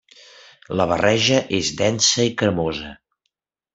La barreja és densa i cremosa.